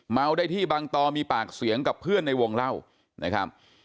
ได้ที่บางตอมีปากเสียงกับเพื่อนในวงเล่านะครับ